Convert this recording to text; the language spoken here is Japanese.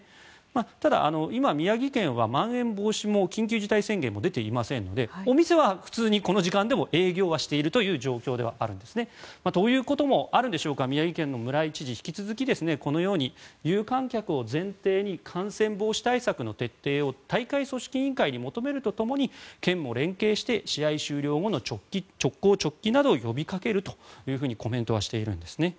ただ、今、宮城県はまん延防止も緊急事態宣言も出ていませんのでお店は普通にこの時間でも営業はしているという状況ではあるんですね。ということもあるでしょうが宮城県の村井知事はこのように、有観客を前提に感染防止対策の徹底を大会組織委員会に求めるとともに県も連携して試合終了後の直行直帰などを呼びかけるとコメントはしているんですね。